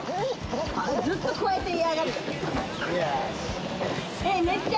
ずっとこうやって嫌がってる。